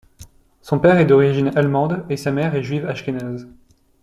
Son père est d'origine allemande et sa mère est juive ashkénaze.